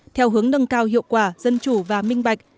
theo hướng nâng cao hiệu quả dân chủ và minh bạch